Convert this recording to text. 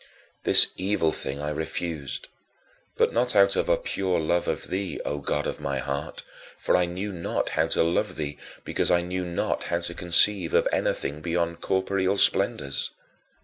This evil thing I refused, but not out of a pure love of thee, O God of my heart, for I knew not how to love thee because I knew not how to conceive of anything beyond corporeal splendors.